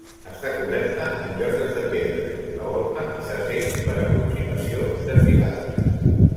Està coberta amb lloses de pedres, la volta s'ha fet per aproximació de filades.